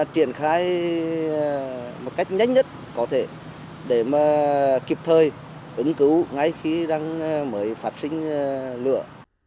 triển khai một cách nhanh nhất có thể để kịp thời ứng cứu ngay khi đang mới phát sinh lửa